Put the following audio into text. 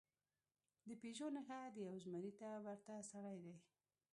د پېژو نښه د یو زمري ته ورته سړي ده.